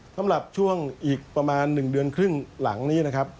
สำหรับช่วงอีกประมาณ๑เดือนครึ่งหลังนี้นะครับ